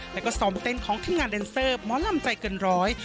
แล้วก็ซ้อมเต้นของทีมงานแดนเซอร์หมอลำใจเกินร้อย